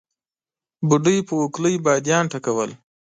بوډۍ په اوکلۍ باديان ټکول.